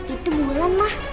itu mulan ma